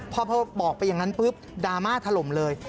พอบอกไปอย่างนั้นปุ๊บดราม่าถล่มเลย